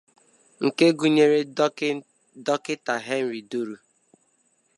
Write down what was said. nke gụnyere Dokịta Henry Duru